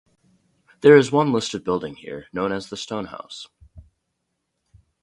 There is one listed building here, known as the Stone House.